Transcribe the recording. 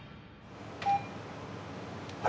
はい。